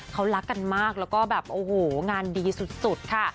เขารักกันมากแล้วก็แบบโอ้โหงานดีสุดค่ะ